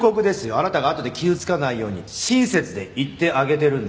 あなたがあとで傷つかないように親切で言ってあげてるんです。